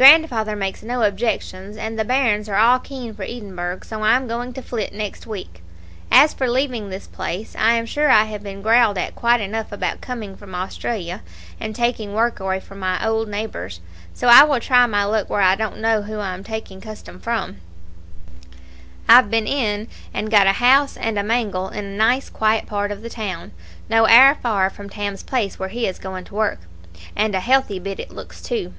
Grandfather makes no objections, and the bairns are all keen for Edinburgh, so I am going to flit next week. As for leaving this place, I am sure I have been growled at quite enough about coming from Australia and taking work away from my old neighbours, so I will try my luck where I don't know who I am taking custom from. I've been in and got a house and a mangle in a nice quiet part of the town, no owre far from Tam's place where he is going to work, and a healthy bit it looks, too."